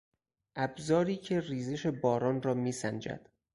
ابزاری که ریزش باران را میسنجد